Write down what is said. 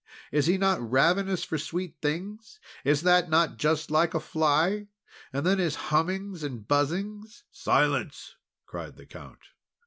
Is he not ravenous for sweet things? Is that not just like a fly? And then his hummings and buzzings." "Silence," cried the Count.